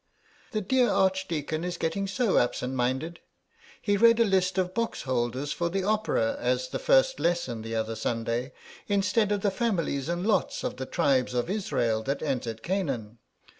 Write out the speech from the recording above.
"The dear Archdeacon is getting so absent minded. He read a list of box holders for the opera as the First Lesson the other Sunday, instead of the families and lots of the tribes of Israel that entered Canaan.